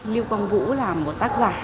lưu quang vũ là một tác giả